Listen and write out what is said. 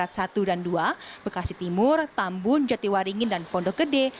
pintu tol bekasi barat satu dan dua bekasi timur tambun jatiwaringin dan pondok gede